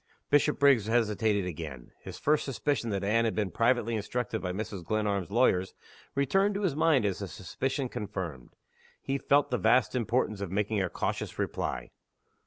Bishopriggs hesitated again. His first suspicion that Anne had been privately instructed by Mrs. Glenarm's lawyers returned to his mind as a suspicion confirmed. He felt the vast importance of making a cautious reply.